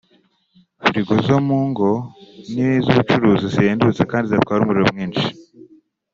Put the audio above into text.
frigo zo mu ngo n’iz’ubucuruzi zihendutse kandi zidatwara umuriro mwinshi